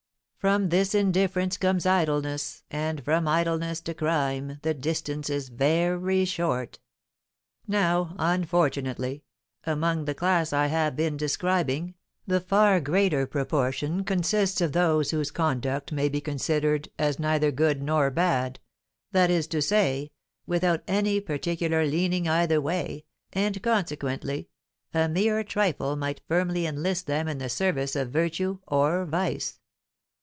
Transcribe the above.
From this indifference comes idleness, and from idleness to crime the distance is very short. Now, unfortunately, among the class I have been describing, the far greater proportion consists of those whose conduct may be considered as neither good nor bad, that is to say, without any particular leaning either way, and, consequently, a mere trifle might firmly enlist them in the service of virtue or vice.